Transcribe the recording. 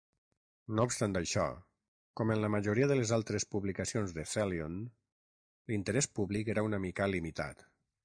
No obstant això, com en la majoria de les altres publicacions de Thalion, l'interès públic era una mica limitat.